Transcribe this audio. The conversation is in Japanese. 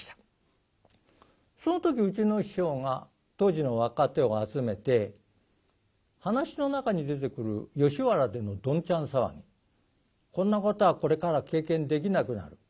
その時うちの師匠が当時の若手を集めて噺の中に出てくる吉原でのどんちゃん騒ぎこんなことはこれからは経験できなくなる